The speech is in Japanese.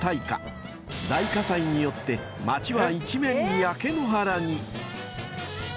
［大火災によって町は一面焼け野原に］